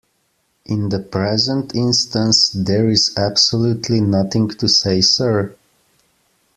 In the present instance, there is absolutely nothing to say 'Sir?'